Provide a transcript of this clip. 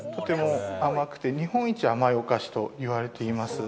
とても甘くて、日本一甘いお菓子と言われています。